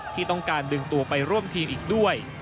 ที่ต้องการดึงตัวไปร่วมทีมอีกด้วย